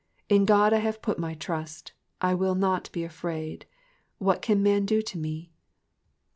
11 In God have I put my trust: I will not be afraid what man can do unto me.